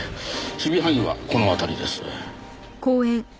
守備範囲はこの辺りです。